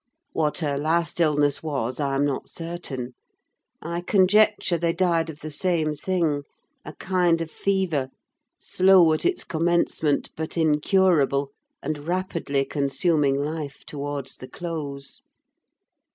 What her last illness was, I am not certain: I conjecture, they died of the same thing, a kind of fever, slow at its commencement, but incurable, and rapidly consuming life towards the close.